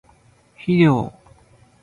肥料